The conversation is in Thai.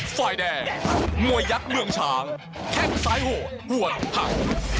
ฝ่ายแดงมวยักษ์เมืองช้างแคบซ้ายโหดหว่นหัก